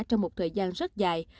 trong một thời gian rất dài